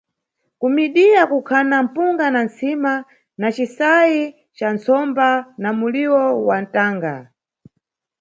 Kumidiya kukhana mpunga na ntsima na cisayi ca ntsomba na muliwo wa ntanga.